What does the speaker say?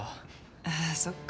ああそっか。